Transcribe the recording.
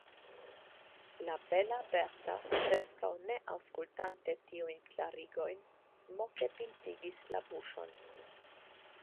La bela Berta, preskaŭ ne aŭskultante tiujn klarigojn, moke pintigis la buŝon.